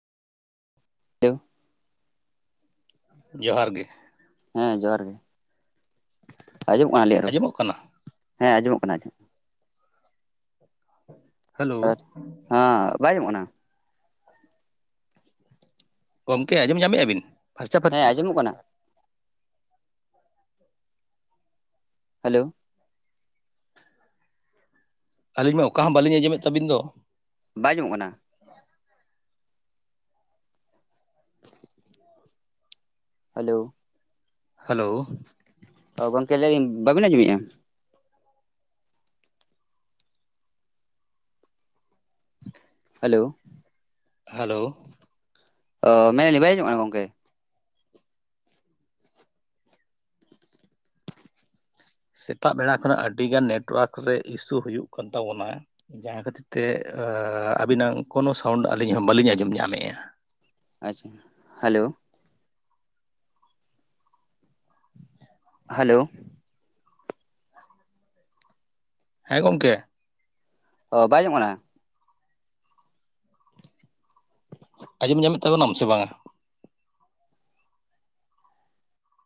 [unintelligible] ᱡᱚᱦᱟᱨ ᱜᱮ, ᱦᱮᱸ, ᱡᱚᱦᱟᱨ ᱜᱮ ᱟᱸᱡᱚᱢᱚᱜ ᱠᱟᱱᱟ ᱟᱞᱮᱭᱟᱜ ᱨᱚᱲ? ᱟᱸᱡᱚᱢᱚᱜ ᱠᱟᱱᱟ? ᱦᱮᱸ ᱟᱸᱡᱚᱢᱚᱜ ᱠᱟᱱᱟ᱾ ᱦᱮᱞᱳ ᱦᱮᱸ ᱵᱟᱭ ᱟᱡᱚᱢᱚᱜ ᱠᱟᱱᱟ? ᱜᱚᱢᱠᱮ ᱟᱸᱡᱚᱢ ᱧᱟᱢᱮᱫᱼᱟ ᱵᱤᱱ? ᱯᱷᱟᱨᱪᱟ ᱦᱮᱸ ᱯᱷᱟᱨᱪᱤ ᱟᱸᱡᱚᱢᱚᱜ ᱠᱟᱱᱟ᱾ ᱦᱮᱞᱳ ᱟᱹᱞᱤᱧ ᱢᱟ ᱚᱠᱟ ᱦᱚᱸ ᱵᱟᱹᱞᱤᱧ ᱟᱸᱡᱚᱢᱮᱫ ᱛᱟᱵᱤᱱ ᱫᱚ᱾ ᱵᱟᱭ ᱟᱡᱚᱢᱚᱜ ᱠᱟᱱᱟ, ᱦᱮᱞᱳ ᱦᱮᱞᱳ ᱚ ᱜᱚᱢᱠᱮ ᱞᱟᱹᱭ ᱫᱟᱞᱤᱧ ᱵᱟᱹᱵᱤᱱ ᱟᱸᱡᱚᱢᱮᱫᱼᱟ? ᱦᱮᱞᱳ ᱦᱮᱞᱳ ᱚ ᱢᱮᱱᱮᱫᱤᱧ ᱵᱟᱭ ᱟᱡᱚᱢᱚᱜ ᱠᱟᱱᱟ ᱜᱚᱝᱠᱮ? ᱥᱮᱛᱟᱜ ᱵᱮᱲᱟ ᱠᱷᱚᱱᱟᱜ ᱟᱹᱰᱤ ᱜᱟᱱ ᱱᱮᱴᱚᱳᱣᱟᱨᱠ ᱨᱮ ᱤᱥᱩ ᱦᱩᱭᱩᱜ ᱠᱟᱱ ᱛᱟᱵᱚᱱᱟ᱾ ᱡᱟᱦᱟᱸ ᱠᱷᱟᱹᱛᱤᱨ ᱛᱮ ᱟᱹᱵᱤᱱᱟ ᱠᱳᱱᱳ ᱥᱟᱣᱩᱱᱰ ᱟᱹᱞᱤᱧ ᱦᱚᱸ ᱵᱟᱹᱞᱤᱧ ᱟᱸᱡᱚᱢ ᱧᱟᱢᱮᱫᱼᱟ᱾ ᱟᱪᱪᱷᱟ, ᱦᱮᱞᱳ ᱦᱮᱞᱳ ᱦᱮᱸ ᱜᱚᱢᱠᱮ, ᱚ ᱵᱟᱭ ᱟᱡᱚᱧᱚᱜ ᱠᱟᱱᱟ? ᱟᱸᱡᱚᱢ ᱧᱟᱢᱮᱫ ᱛᱟᱵᱚᱱᱟᱢ ᱥᱮ ᱵᱟᱝᱼᱟ?